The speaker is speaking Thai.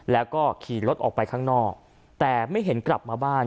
แล้วก็ขี่รถออกไปข้างนอกแต่ไม่เห็นกลับมาบ้าน